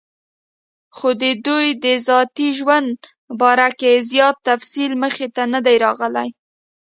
خو دَدوي دَذاتي ژوند باره کې زيات تفصيل مخې ته نۀ دی راغلی